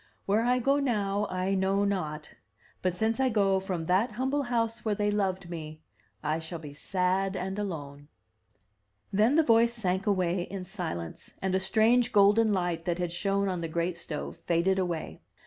Where I go now I know not; but since I go from that humble house where they loved me, I shall be sad and alone.'* Then the voice sank away in silence, and a strange golden light that had shone on the great stove faded away.